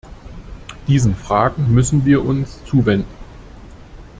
Diesen Fragen müssen wir uns zuwenden.